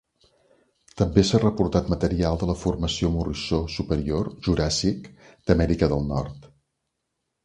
També s'ha reportat material de la Formació Morrisó Superior Juràssic d'Amèrica del Nord.